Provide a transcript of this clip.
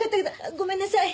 ごめんなさい。